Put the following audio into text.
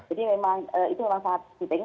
jadi memang itu memang sangat penting